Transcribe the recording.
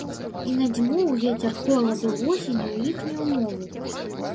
І надзьмуў вецер холаду, восені ў іхнюю мову.